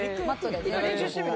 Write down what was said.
今練習してみる？